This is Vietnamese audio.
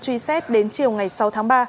truy xét đến chiều ngày sáu tháng ba